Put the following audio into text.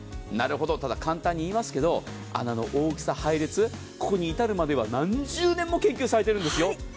ただ、簡単に言いますが穴の大きさ、配列ここに至るまでは何十年も研究されているんです。